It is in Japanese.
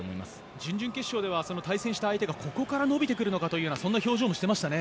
準々決勝では対戦した相手がここから伸びてくるのかというそんな表情もしてましたね。